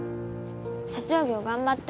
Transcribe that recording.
社長業頑張って